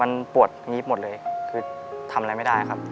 มันปวดงีบหมดเลยคือทำอะไรไม่ได้ครับ